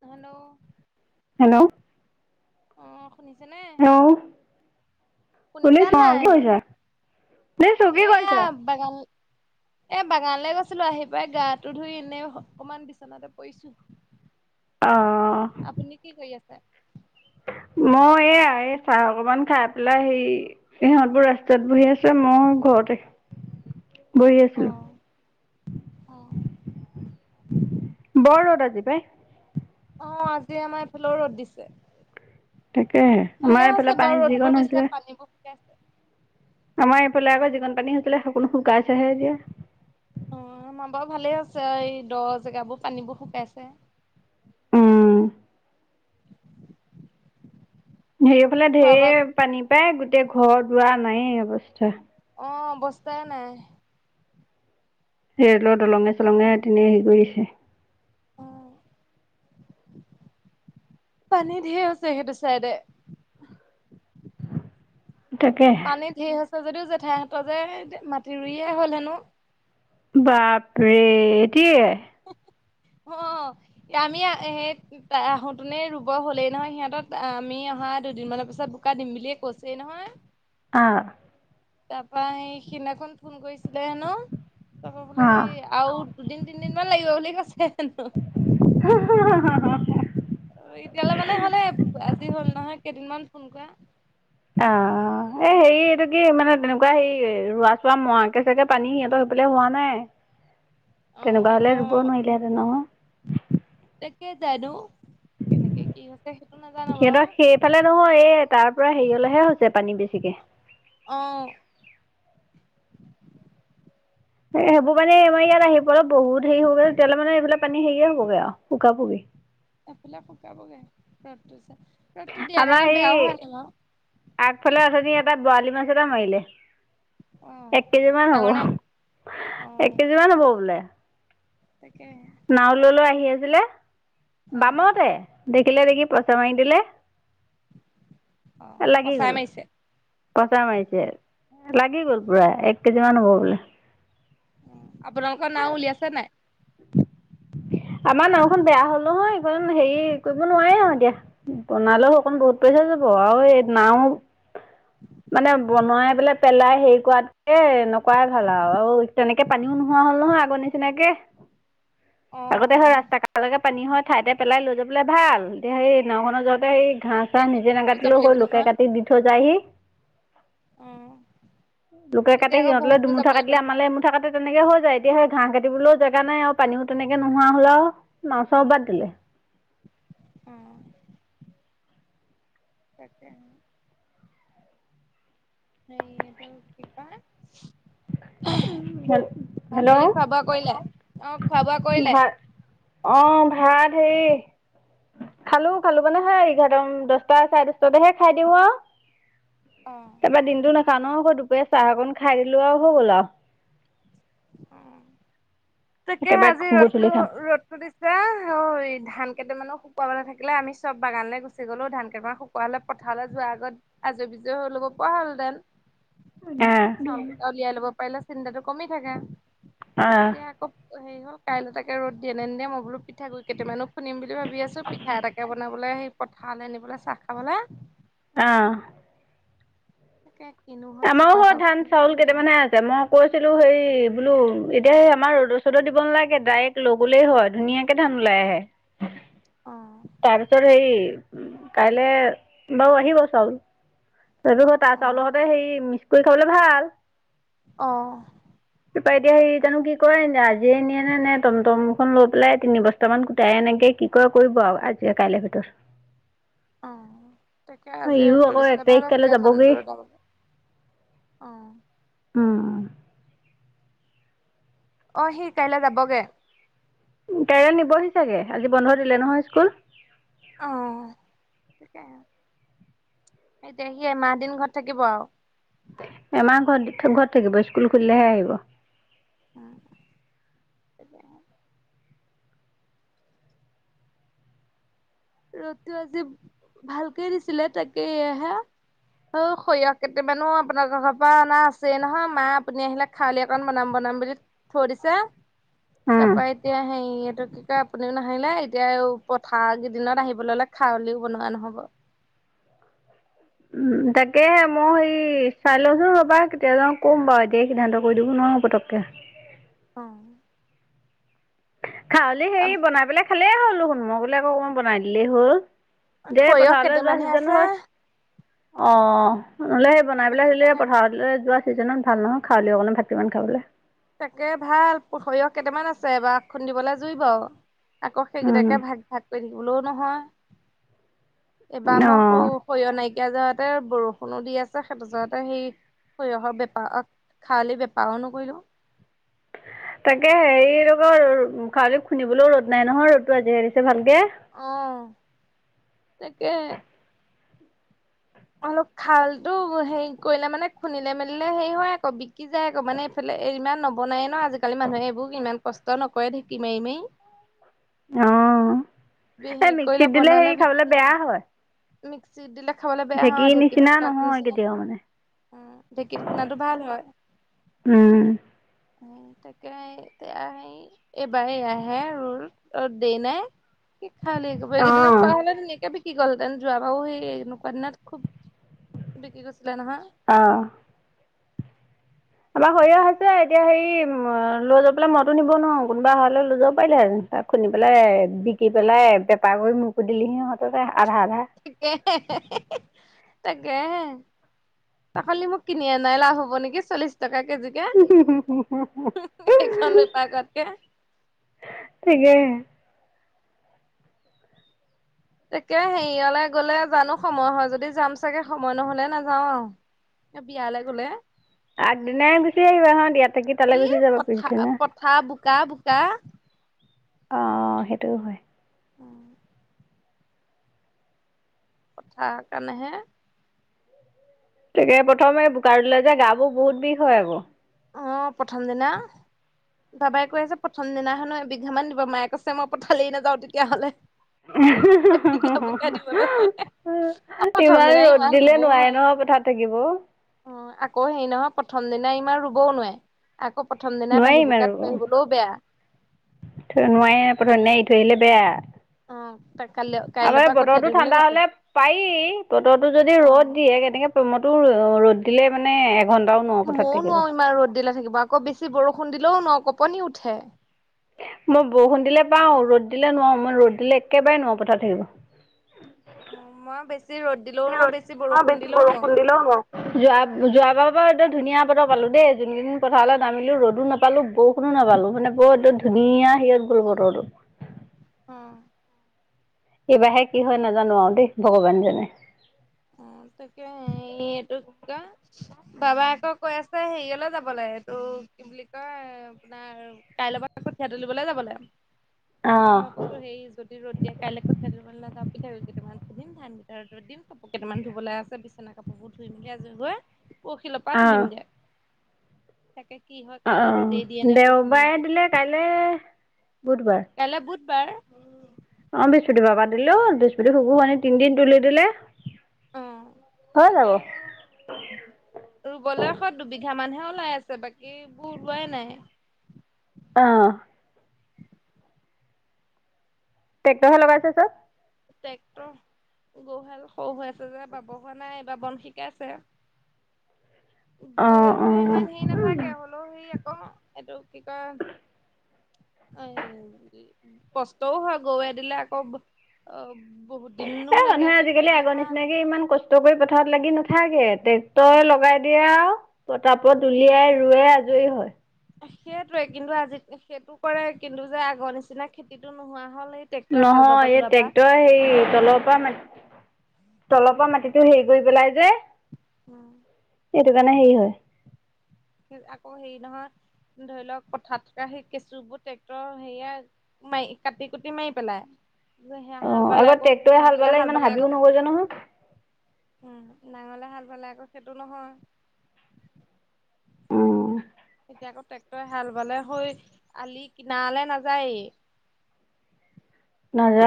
Hello. Hello. অ', শুনিছে নে? শুনিছোঁ নাই? কি কৰিছা শুনিছোঁ কি এয়া কৰিছা? বাগান এ বাগানলে গৈছিলো আহি পই গাটো ধুই এনেই অকমান বিছনাতে পৰিছো। অ'। আপুনি কি কৰি আছে? মই এইয়া এই চাহ অকমান খাই পেলাই হেৰি সিহঁতবোৰ ৰাস্তাত বহি আছে মোৰ ঘৰতে। বহি অ আছিলো। অ বৰ ৰ'দ আজি পাই। অ', আজি আমাৰ এইফালেও ৰ'দ দিছে। তাকেহে আমাৰ ভালে এইফালে হৈছে পানী বাৰু যিকণ ৰ'দবোৰ দিছে হৈছিলে পানীবোৰ শুকাইছে। আমাৰ এইফালে আকৌ যিকণ পানী হৈছিলে সোনো শুকাইছেহে এতিয়া। অ', আমাৰ বাৰু ভালে হৈছে এই দ জেগাবোৰ পানীবোৰ শুকাইছে। উম। হেৰিয়ফালে খোৱা বোৱা ঢেৰ পানী পায় গোটেই ঘৰ দুৱাৰ নাই অৱস্থা। অ', অৱস্থাই নাই। ৰে'লৰ দলঙে কি চলঙে পানী তেনে হেৰি কৰিছে। অ', পানী ঢেৰ আ হৈছে সেইটো চাইডে। তাকে। পানীত ধেৰ হৈছে যদিও জেঠাইহঁতৰ যে মাটি ৰুইয়ে হ'ল হেনো। বাপৰে এতিয়ে? অ', আমি হে তাই আহোঁতেনেই ৰুব হ'লেই নহয় সিহঁতত। আমি অহা দুদিনমানৰ পিছত বোকা দিম বুলিয়েই কৈছেই নহয়। অ'। তাৰপা সেই সিদিনাখন ফোন কৰিছিলে হেনো। তাৰপা বোলে অ'। সেই আৰু দুদিন তিনদিনমান লাগিব বুলি কৈছে হেনো। [inaudible] অ', এতিয়ালৈ মানে হ'লে আজি হ'ল নহয় কেইদিনমান ফোন কৰা। অ', এই হেৰি এইটো কি মানে তেনেকুৱা হেৰি ৰোৱা চোৱা মোৱাকে চাগে পানী সিহঁতৰ সেইফালে হোৱা নাই অ তেনেকুৱা হ'লে ৰুব নোৱাৰিলেহেঁতেন নহয়। তাকে জানো কেনেকে কি সেইটো নাজানো বাৰু সিহঁতৰ সেইফালে নহয় এই তাৰ পৰা হেৰিলেহে হৈছে পানী বেছিকে। অ'। সেইবোৰ পানী আমাৰ ইয়াত আহিবলৈ বহুত হেৰি হ'ব গৈ তেতিয়ালে মানে এইবিলাক পানী হেৰিয়ে হ'ব গে আৰু শুকাব গে। এইফালে শুকাব গে ৰ'দ দিছে। আমাৰ সেই আগফালে আজনী এটা বৰালি মাছ এটা মাৰলে। অ এক কেজি মান হ'ব ডাঙৰ নে অ এক কেজি মান হ'ব বোলে তাকে নাওলৈ লৈ আহি আছিলে অ বামতে দেখিলে দেখি পইচা মাৰি দিলে অ লাগি কচাই গল মাৰিছে পচা মাৰিছে লাগি গ'ল পুৰা এক কেজি মান হ'ব বোলে আপোনালোকৰ না উলিয়াইছো নাই আমাৰ নাওখন বেয়া হ'ল নহয় এইণ হেৰি কৰিব নোৱাৰাৰে আৰু এতিয়া বনালেও অকণ বহুত পইচা যাব আৰু এই নাও মানে বনোৱাই পেলাই পেলাই হেৰি কৰাতকে নকৰাই ভাল আৰু, আৰু তেনেকে পানীও নোহোৱা হ'ল নহয় আগৰ নিচিনাকে। অ আগতে হয় ৰাস্তা কাষলেকে পানী হয় ঠাইতে পেলাই লৈ যাবলৈ ভাল এতিয়া সেই নাখনৰ যত অ ঘাঁহ এতিয়া চাঁহ আকৌ নিজে বহুত ন দূৰ যাব কাটিলেও হ' লাগিব লুকে নহয় কাটি দি থৈ যায়হি অ লোকে কাটে এতিয়া আকৌ সিহঁত বহুত দূৰ দুমুঠ যাব লাগিব কাটিলে নহয় আমালৈ এমুঠা কাট তেনেকে হৈ যায় এতিয়া সেই ঘাঁহ কাটিবলৈও জেগা নাই আৰু পানীও তেনেকে নোহোৱা হ'লেও মাছা বাদ দিলে উম। তাকে। সেই এইটো কি পা ভাত হেল্ল' পানীত খোৱা বোৱা কৰিলে অ খোৱা বোৱা কৰিলে অ ভাত হেৰি খালো খালো মানেহে এঘাৰম দহটা চাৰে দহটাতেহে খাই দিওঁ আৰু অঁ এইবাৰ দিনটো নাখাওঁ ন আকৌ দুপৰীয়া চাহ অকণ খাই দিলো আৰু হৈ গ'ল আৰু উ তাকে একেবাৰে আজি গধূলি ৰ'দটো খাম ৰদ সুধিছা ঐ ধান কেইটামানো শুকুৱাব না থাকিলে আমি চব বাগানলৈ গুচি গলো ধান কেইটামান শু পোৱা হলে পথাৰলৈ যোৱাৰ আগত আজৰি বিজয় হৈ ল'ব পৰা হলহঁতেন চাউল কেইটা অঁ উলিয়াই লব পাৰিলে চিণ্ডাৰটো কমি থাককা অঁ এতিয়া আকৌ অ সে হল কাইলৈ তাকে ৰদ দিয়ে নিিয়ে মই বোলো পিঠাগু কেইটামানো খুনিম বুলি ভাবি আছো পিঠা এটাকে বনাবলৈ সেই পথাৰলৈ নিনবলৈ চাহ খাবলৈ অ তাকে কিনো হয় আমাৰো চকুৱ চাউ প ধান খ চাউল আহ'ল কেইটামানহে আছে মই কৈছিলোঁ হেৰি বোলো এতিয়া সেই আমাৰ ৰ'দৰ ৰ'দো দিব নালাগে ডাইৰেক্ট লগ গ'লেই হয় ধুনীয়াকৈ কেই ধান ওলাই আহে অ তাৰপিছত সেই কাইলে বাৰু আহিব চাউল তাৰপিছত তাৰ অ চাউলৰ সতে হেৰি মিক্স কৰি খাবলৈ ভাল অ তাৰপৰা এতিয়া হেৰি তানো কি কৰে এনে আজিয় এিয়ে নে নে টমটমখন লৈ পেলাই তিনি বছা বৰ্তমান গোটাই এনেকে কি ক কৰিব আৰু আজি কাইলে ভিতৰত অ তাকে আজি ইও ৰদটো আকৌ এক দিছিলে তাৰিখ ভাল কাইলৈ আছিলে ধান যাবগৈ বোৰ অ উ অ সি কাইলৈ যাবগে কাই নিবহি চাগে আজি বন্ধ দিলে নহয় স্কুল অ তিকে এতিয়া সিমাহ দিন ঘৰত থাকিব আৰু এমাৰ ঘৰত ঘৰত থাকিব স্কুল খুলিলেহে আহিব অ ৰদটো আজি ভালকে দিছিলে তাকে এয়হে অ সৰিয়হ কেইটামানো আপোনাৰ ঘৰৰ পৰা অনা আছে নহয় মা আপুনি আহিলে খউলি অকণ বনাম বনাম বুলি থৈ দিছে উম, তাৰ পৰাৰা এতিয়া হেৰিটো কি কয় আপুনিও নাহিলে এতিয়া পথাৰ দিনত আহিবলৈ অ'লে খালিও বনোৱা নহ'ব তাকেে মই হেৰি চাই লওঁচোন ৰ'বা কেতিয়াাজান ক'ম বাৰু এতিয়া সিদ্ধান্ত কৰি দিব নোৱাৰোঁ পতককৈ অ খা হললে হেৰি বনাই পেলাই খালেই হ'লো সোন মই গলে আকৌ অকণমান বনাই দিলেই হল দেেই সৰিয়হ পথাৰলৈ যোৱা কেইটামানহে আছে চিজনহয় অ নহলে সেই বনাই পেলাই সেইটো আহিলে কাৰণে পথাৰলৈ যোৱা ছিজনত ভাল নহয় খওঁালও অকলে ভিমান খাবলৈ তাকে ভাল সৰিয়হ কেইটামান আছে বাাৰ খুন্দিবলৈ জুই ব আকৌ উম, সেইকেইটাকে ভাগ ভাগ কৰি থাকিবলৈও নহয় এইবাৰ মইৌ অ'। সৰিয় নাইকিয়া যাওঁতে বৰষুণো দি আছে সেইটো যাওঁতে সেই শয়হৰ বেপাৰ খালি বেপাৰো নকৰিলো তাকে হেৰি ৰকৌ খি খুন্দিবলৈও ৰ'দ নাই নহয় ৰ'দটো আজি হেৰিছে ভালকে অ তাকে অলপ খাল ো হেৰি কৰিলে মানে খুন্দিলে মেলিলে হেৰি হয় আকৌ বিকি যায় আকৌ মানে আফাল ইমান নবনায়েই ন আজিকালি মানুহে এইবোৰ ইমান কষ্ট নকৰে ঢঁকি মাৰি মাৰি অ বে হে এই কৈল মিক্সিত দিলে বনাল হেৰি বিকি খাবলৈ বেয়া যায় হয় মিক্সিত দিলে খাবলৈ বেয়া হ ঢেঁকীৰ ঢেঁকীত নিচিনা নহয় পুনাটোুনচিনে কেতিয়াও মানে। অ ঢেঁকীত শুনাটো ভাল হয় উম অ তাকে এইবাৰ আহে ৰ দ নাই কি খালে ব এইগেইদিনত আহ পাহকে কি গলহতেন যোৱাবাৰু সেই এনেকুৱা দিনাত খুব বিকি গৈছিলে নহয় অঁ আমাৰ সৰয়হ আ হৈছে এতিয়া হেৰি উ লৈ যাব পেলাই মনতো নিব নোৱাৰো কোনোবা অহালৈ লৈ যাব পাৰিলে তাক খুন্দি পেলাই বিকি পেলাই পেপাৰ কৰি মকো দিলি সিহঁততে আধা আধা গে ত গেে তাকালি মোক কিনি আ নাই লাভ হব নেকি চল্লি টকা কেজি সেইখন বেপাৰ কতকে ঠিকে তাকে হেৰিয়লে গলে জানো সময় হয় যদি যাম চাগে সময় নহলে নাযাও আৰু এ বিয়ালৈ গলে আগদিনাই গুচি আহিবা হ দিয়াত থাকি তালৈ গুচি যাব পুছদিনা ফা বোকা বোকা। অ' সেইটোও হয়। কথাৰ কাৰণেহে। তাকে প্ৰথমে বোকা দিলে যে গা বোৰ বহুত বিষ হয় আকৌ। অ' প্ৰথম দিনা। বাবাই কৈ আছে প্ৰথম দিনা হেনো এবিঘা মান দিব মায়ে কৈছে মই পঠালেই নাযাওঁ তেতিয়াহ'লে। ইমান এবিঘা বোকা ৰ'দ দিবলৈ হ'লে দিলে নোৱাৰে প্ৰথম দিনাই ইমান নহয় ৰুবও নোৱাৰে। পথাৰ থাকিব। অ' আকৌ হেৰি নহয় প্ৰথম দিনা ইমান ৰুবওঁ নোৱাৰে। আকৌ প্ৰথম দিনা নোৱাৰি বাঁহী ইমান বোকাত পৰিবলৈও বেয়া। থৈ [unintelligible] প্ৰথম দিনা এৰি থৈ আহিলে বেয়া। অ ত কাইলৈ কাইলৈৰ আমাৰ পৰা কঠিয়া বতৰটো তুলিবলৈ ঠাণ্ডা কৈছে হ'লে পাৰি বতৰটো যদি অ ৰ'দ দিয়ে কেনেকে [unintelligible] ৰ'দ দিলে মানে এঘণ্টাও নোৱাৰো পথাৰত মইও থাকিব। নোৱাৰো ইমান ৰ'দ দিলে থাকিব আকৌ বেছি বৰষুণ দিলেও ন কপনি উঠে। মই বৰষুণ দিলে পাৰো ৰ'দ দিলে নোৱাৰো মই ৰ'দ দিলে একেবাৰে নোৱাৰো পথাৰত থাকিব। উম' মই বেছি ৰ'দ দিলেওঁ দিলেও নোৱাৰ বেছি নোৱাৰোঁ বৰষুণ বেছি দিলেওঁ নোৱাৰো। দিলেও নোৱাৰোঁ যোৱা যোৱাবাৰৰ পৰা একদম ধুনীয়া বতাহ পালো দেই যোন কেইদিন পথাৰলৈ নামিলো ৰ'দো নাপ পালো বৰষুণো নাপালো মানে বৰ ধুনীয়া হিৰত গ'ল বতৰটো। অ'। এইবাৰহে কি হয় নাজানো আৰু দেই ভগৱান জানে। অ, তাকে এই এইটোকা বাবাই আকৌ কৈ আছে হেৰিয়ালে যাব লাগে এইটো কি বুলি কয় আপোনাৰ আৰু কাইলৈৰ পৰা আকৌ কঠীয়া তুলিবলৈ যাব লাগে। তাৰ পৰা অঁ মই কৈছো হেৰি যদি ৰ'দ দিয়ে কাইলৈ কঠীয়া তুলিবলৈ নেযাওঁ পিঠা গুৰু কেইটামান খুন্দিম ধান কেইটা ৰ'দত দিম। কাপোৰ কেইটামান ধুবলৈ আছে বিছনা কাপোৰবোৰ ধুই মেলি আজৰি হৈ। পৰিহিল পৰা তুলিম অঁ গে, তাকে কি হয় কাইলৈ ৰ'দেই দিয়ে নে [unintelligible] দিয়ে। কাইলৈ, বুধবাৰ। কাইলৈ বুধবাৰ। অ, বৃহস্পতিবাৰ পৰা দিলেও বৃহস্পতি শুকুৰ শনি তিনদিন তুলি দিলে। অ, হৈ যাব তাকে। ৰু'বলে [unintelligible] দুবিঘা মানহে ওলাই আছে বাকীবোৰ ওলোৱাই নাই। অ'। টেক্টৰ হে লগাইছে চব। ট্ৰেক্টৰ, গৰুহাল সৰু হৈ আছে যে বাব হোৱা নাই বা বন শিকাই আছে। অ গৰুৱে অ হ'লেও ইমান হেৰি নাথাকে হ'লেও হেৰি আকৌ এইটো কি কয়। এ, কষ্টও হয় গৰুৱে দিলে আকৌ। অ, বহুত দিনো এ লাগে মানুহে আজিকালি আগৰ [unintelligible] নিচিনাকে ইমান কষ্ট কৰি পথাৰত লাগি নাথাকে উম ট্ৰেক্টৰে লগাই দিয়ে আৰু, পতাপত উলিয়াই ৰুৱে আজৰি হয়। সেইটোৱে কিন্তু আজি সেইটো কৰে কিন্তু যে আগৰ নিচিনা খেতিটো নোহোৱা হ'ল এই ট্ৰেক্টৰে হাল বাব নহয় এই লোৱাৰ পৰা ট্ৰেক্টৰ হেৰি তলৰ পৰা মাটি তলৰ পৰা মাটিতো হেৰি কৰি পেলাই যে। অ'। সেইটো কাৰণে হেৰি হয়। আকৌ হেৰি নহয় ধৰি লওঁক পথাৰত থকা সেই কেঁচু বোৰ ট্ৰেক্টৰৰ হেৰিয়াই মাৰি কাটি, কুটি মাৰি পেলাই। সেয়া হাল অ বালে আগত আকৌ ট্ৰেক্টৰে নেঙালে হাল ইমান বালে আকৌ হাবিও নগজে [unintelligible] উম, নাঙলে হাল বালে আকৌ সেইটো নহয়। অ'। এতিয়া আকৌ ট্ৰেক্টৰে হাল বালে হৈ আলি কিনাৰলে নাযায়ে।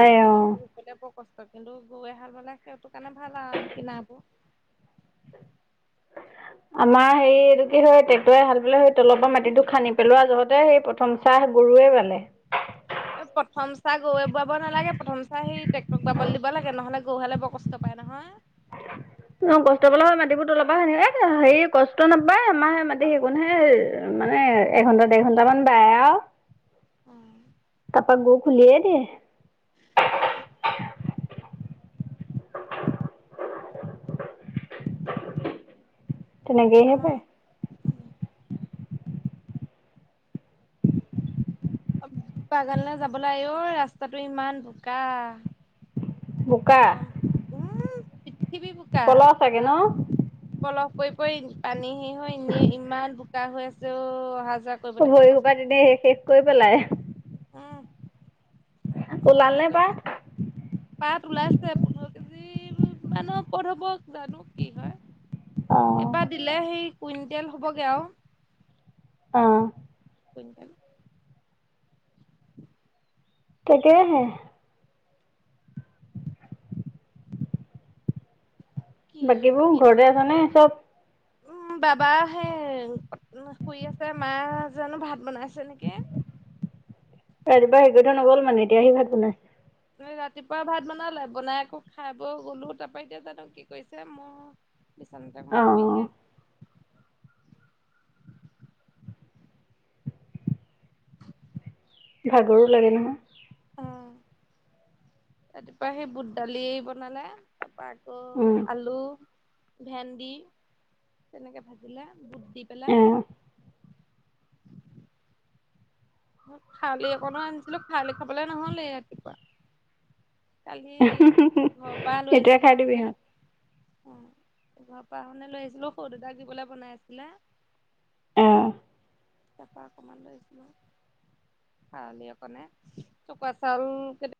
আলি অ কিনাৰোৰলে বৰ কষ্ট কিন্তু গৈ হাল বানলে সেইহটোৰ কাৰণে ভাল আৰু আলি কিনাবোৰ আমাৰ হে এইটো কি হয় ট্ৰেক্টৰে হাল বেললে সেই তলৰ পৰা মাটিটো খানদি পেলোৱা জহতে সেই প্ৰথম চাহ গৰুৱে পালে। প্ৰথম চাহ গৰুে বোৱাব নালাগে প্ৰথম চাৰ সেই ট্ৰেক্টৰক বাবল দিব লাগে নহ'লে। গৰুহালে বৰ কষ্ট পায় নহয়। অ, কষ্ট পালা হয় মাটিবোৰ তলাবা সেনেক হেৰি কষ্ট নাপায় আমাৰে মাটি সেই ক নহে। মানে এঘন্টা দেৰ ঘন্টামান বায় আৰু তাপা গৌ খুুলিএ দ [inaudible] তেনেকেইহে আমা পায় বাগানলৈ যাবলৈ আহ, অঐ ৰাস্তাটো ইমান বোকা [inaudible] গম উম, পৃথিৱী বোকা পলস চাগে ন তাত পলহ কৰি পৰি পানী সি হৈ এনেই ইমান বোকা হৈ আছে অ, অহা যোৱা কৰিবলৈকে কষ্ট ভৰিসোবা দিনেে শেষ কৰি পেলাই উম, অহা ওলাল নে চাক প পাত পাত ওলাইছে পোন্ধৰ কেজি মানৰ প হ'ব জানো কি হয়। অ এইবাৰ দিলে সেই কুইণ্টেল হ'বগৈ আৰু। অ'। [inaudible] তাকেহে। কি হয় বাকীবোৰ কি নহয় ঘৰতে আছ নে চব উম, বাবা সে শুই আছে মা জানো ভাত বনাইছে নেকি? ৰাতিপুৱা হেৰি কৰি থৈ নগ'ল মানে এতিয়া আহি ভাত বনাইছে? ৰাতিপুৱা ভাত বনালে বনাই আকৌ খাই ব গ'লো তাৰপৰা এতিয়া জানো কি কৰিছে। মোৰ [inaudible] বিচনাতে অকন শুইহে অ', আছো। [inaudible] ভাগৰো লাগে নহয়। অ', ৰাতিপুৱা সেই বুট দালি বনালে তাৰ পৰা আকৌ উম, আলু ভেন্দি তেনেকে ভাজিলে বুট দি পেলাই। অ', খাৰলি অকণো আনিছিলো খাৰলি খাবলে নহ'লে ৰাতিপুৱা। কালি ঘৰৰ পৰা লৈ এতিয়া আহিছিলো খাই দিবি আহোতে। সিহঁত অ', ঘৰৰ পৰা আহোতে লৈ আহিছিলো সৰু দেদাক দিবলৈ বনাইছিলে। অ'। তাৰাপা অকণমান লৈছিলো খাৰলি অকণনে উখোৱা চাউল